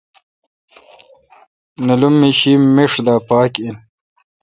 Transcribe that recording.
نیلومہشی میݭ دا پاک این